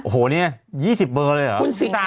โหเนี่ย๒๐เบอร์เลยหรอก